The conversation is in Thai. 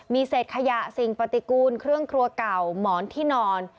มีเศษขยะสิ่งปฏิกูลเครื่องครัวเก่าหมอนที่นอน